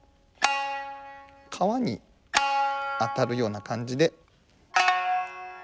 皮に当たるような感じで。